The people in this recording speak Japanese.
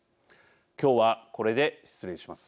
今日はこれで失礼します。